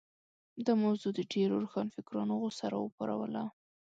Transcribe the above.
دا موضوع د ډېرو روښانفکرانو غوسه راوپاروله.